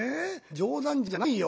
「冗談じゃないよ。